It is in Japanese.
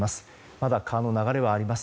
まだ川の流れはあります。